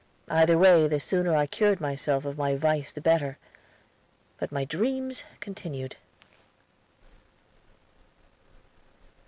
Either way, the sooner I cured myself of my vice the better. But my dreams continued.